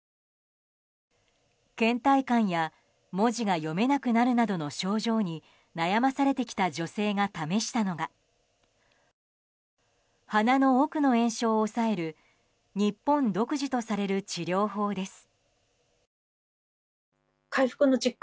倦怠感や文字が読めなくなるなどの症状に悩まされてきた女性が試したのが鼻の奥の炎症を抑える日本独自とされる治療法です。